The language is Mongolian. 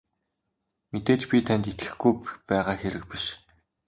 Мэдээж би танд итгэхгүй байгаа хэрэг биш.